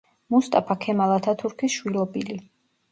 მუსტაფა ქემალ ათათურქის შვილობილი.